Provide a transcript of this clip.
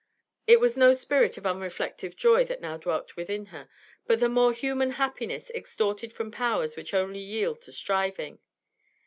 It was no spirit of unreflective joy that now dwelt within her, but the more human happiness extorted from powers which only yield to striving.